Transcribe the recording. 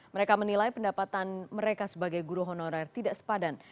mereka menilai pendapatan mereka sebagai guru honorer tidak sepadan